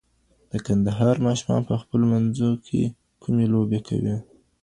د کندهار ماشومان په خپلو منځو کي کومي لوبې کوي؟